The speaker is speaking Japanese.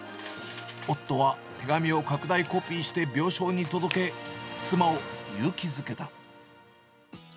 夫は手紙を拡大コピーして病床に届け、妻を勇気づけた。